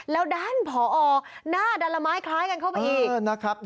แล้วด้านพอหน้าดาลม้ายคล้ายกันเข้าไปอีก